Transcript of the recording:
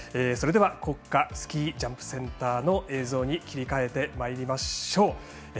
それでは国家スキージャンプセンターの映像に切り替えてまいりましょう。